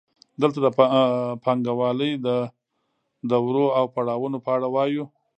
دلته د پانګوالۍ د دورو او پړاوونو په اړه وایو